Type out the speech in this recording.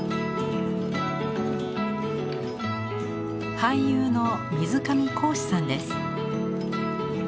俳優の水上恒司さんです。